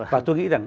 và tôi nghĩ rằng